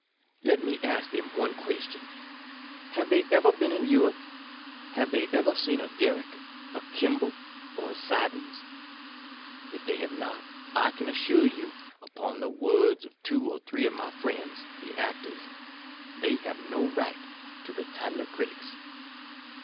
Let me ask them one question — Have they ever been in Europe? Have they ever seen a Garrick, a Kemble, or a Siddons ? If they have not, I can assure you, (upon the words of two or three of my friends, the actors,) they have no right to the title of critics.